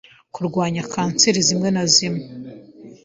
Kurwanya kanseri zimwe na zimwe